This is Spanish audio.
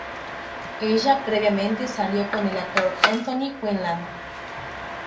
Ella previamente salió con el actor Anthony Quinlan.